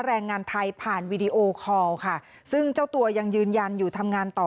แรงงานไทยผ่านวีดีโอคอลค่ะซึ่งเจ้าตัวยังยืนยันอยู่ทำงานต่อ